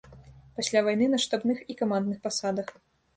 Пасля вайны на штабных і камандных пасадах.